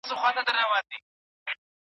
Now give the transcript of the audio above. آیا رواني روغتیا له ټولنیز ژوند سره تړاو لري؟